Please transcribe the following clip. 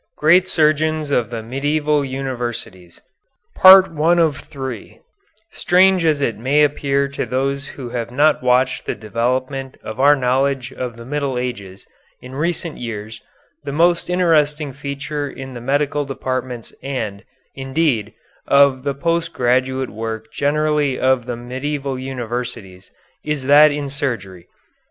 X GREAT SURGEONS OF THE MEDIEVAL UNIVERSITIES Strange as it may appear to those who have not watched the development of our knowledge of the Middle Ages in recent years the most interesting feature in the medical departments and, indeed, of the post graduate work generally of the medieval universities, is that in surgery.